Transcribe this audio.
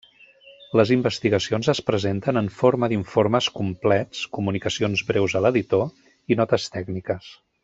Les investigacions es presenten en forma d'informes complets, comunicacions breus a l'editor i notes tècniques.